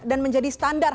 dan menjadi standar